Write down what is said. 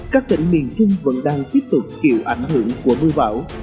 các tỉnh miền trung vẫn đang tiếp tục chịu ảnh hưởng của mưa bão